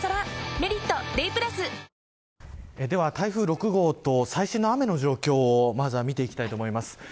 「メリットＤＡＹ＋」では台風６号と最新の雨の状況をまずは見ていきたいと思います。